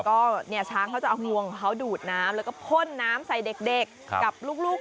ก็เนี่ยช้างเขาจะเอางวงของเขาดูดน้ำแล้วก็พ่นน้ำใส่เด็กกับลูก